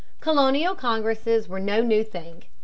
Colonial congresses were no new thing.